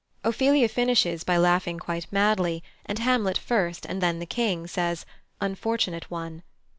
Ophelia finishes by laughing quite madly, and Hamlet first, and then the King, says "Unfortunate one."